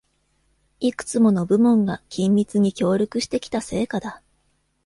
いくつもの部門が緊密に協力してきた成果だ